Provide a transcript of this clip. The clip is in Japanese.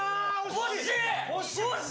惜しい！